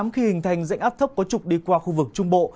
khi hình thành dạnh áp thấp có trục đi qua khu vực trung bộ